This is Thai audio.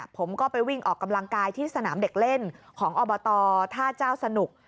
ผมก็ไปวิ่งออกกำลังกายที่สนามเด็กเล่นของอบตท่าเจ้าสนุก